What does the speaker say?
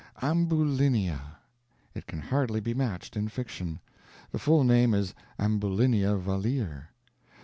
Ambulinia! It can hardly be matched in fiction. The full name is Ambulinia Valeer.